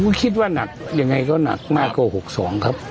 ก็คิดว่าหนักยังไงก็หนักมากกว่า๖๒ครับ